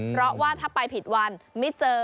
เพราะว่าถ้าไปผิดวันไม่เจอ